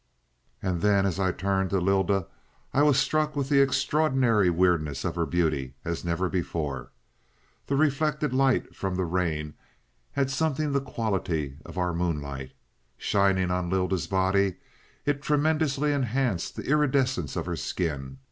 "And then, as I turned to Lylda, I was struck with the extraordinary weirdness of her beauty as never before. The reflected light from the rain had something the quality of our moonlight. Shining on Lylda's body, it tremendously enhanced the iridescence of her skin.